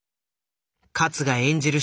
勝が演じる